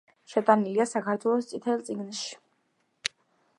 შეტანილია საქართველოს „წითელ წიგნში“.